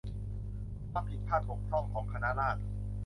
ความผิดพลาดบกพร่องของคณะราษฎร